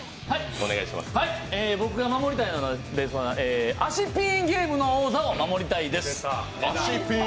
僕が守りたいものは「脚ピーンゲーム」の王座を守りたいです。